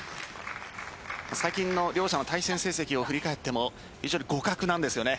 最近の両者の対戦成績を振り返っても非常に互角なんですよね。